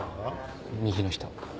右の人。